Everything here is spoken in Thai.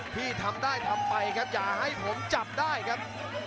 ที่ทำได้ทำไปครับอย่าให้ผมจับได้ครับ